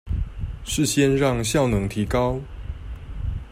是先讓效能提高